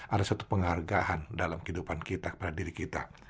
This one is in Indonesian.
ada satu penghargaan dalam kehidupan kita kepada diri kita